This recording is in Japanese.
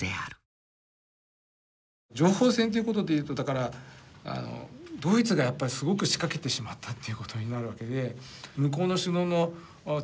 情報戦っていうことで言うとだからドイツがやっぱりすごく仕掛けてしまったっていうことになるわけで。